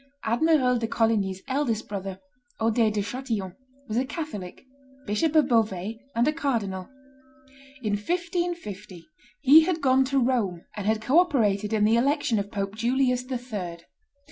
Admiral de Coligny's eldest brother, Odet de Chatillon, was a Catholic, Bishop of Beauvais, and a cardinal; in 1550, he had gone to Rome and had co operated in the election of Pope Julius III.